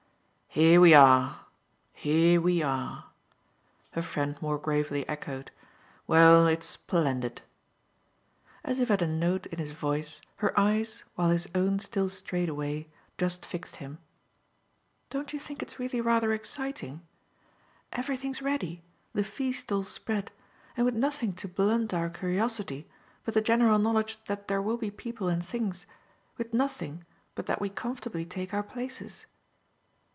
"Here we are, here we are!" her friend more gravely echoed. "Well, it's splendid!" As if at a note in his voice her eyes, while his own still strayed away, just fixed him. "Don't you think it's really rather exciting? Everything's ready, the feast all spread, and with nothing to blunt our curiosity but the general knowledge that there will be people and things with nothing but that we comfortably take our places."